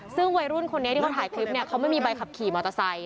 ซึ่งวัยรุ่นคนนี้ที่เขาถ่ายคลิปเนี่ยเขาไม่มีใบขับขี่มอเตอร์ไซค